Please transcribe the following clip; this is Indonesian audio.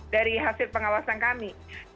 dari hasil pengawasan kami